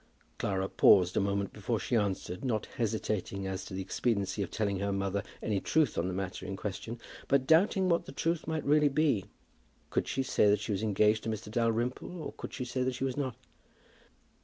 Clara paused a moment before she answered, not hesitating as to the expediency of telling her mother any truth on the matter in question, but doubting what the truth might really be. Could she say that she was engaged to Mr. Dalrymple, or could she say that she was not?